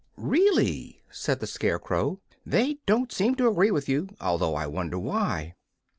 "Really," said the Scarecrow, "they DON'T seem to agree with you, although I wonder why."